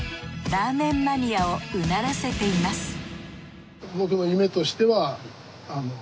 ラーメンマニアをうならせています